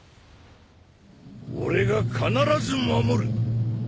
俺が必ず守る。